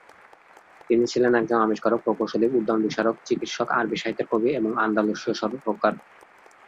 তিনি ছিলেন একজন আবিষ্কারক, প্রকৌশলী, উড্ডয়ন বিশারদ, চিকিৎসক, আরবি সাহিত্যের কবি এবং আন্দালুসিয় সুরকার।